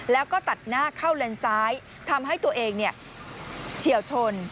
แล้วก็ตัดหน้าเข้าเลนซ้ายทำให้ตัวเองเฉียวชน